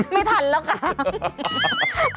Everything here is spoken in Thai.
ไม่ทันแล้วค่ะ